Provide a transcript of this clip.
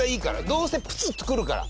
どうせプツッとくるから。